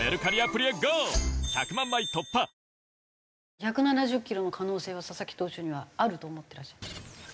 １７０キロの可能性は佐々木投手にはあると思ってらっしゃいますか？